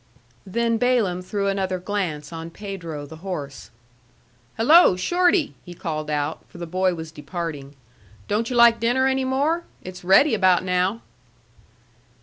Then Balaam threw another glance on Pedro the horse. "Hello, Shorty!" he called out, for the boy was departing. "Don't you like dinner any more? It's ready about now."